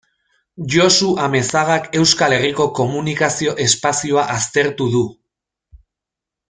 Josu Amezagak Euskal Herriko komunikazio espazioa aztertu du.